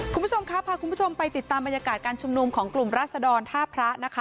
คุณผู้ชมครับพาคุณผู้ชมไปติดตามบรรยากาศการชุมนุมของกลุ่มราศดรท่าพระนะคะ